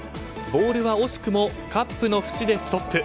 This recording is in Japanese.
ボールは惜しくもカップの縁でストップ。